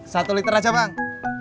satu liter aja bang